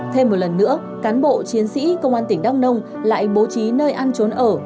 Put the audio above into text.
thêm một lần nữa cán bộ chiến sĩ công an tỉnh đắk nông lại bố trí nơi ăn trốn ở